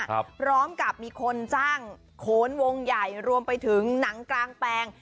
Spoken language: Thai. พร้อมกับมีคนจ้างโขนวงใหญ่รวมไปถึงหนังกลางแปลง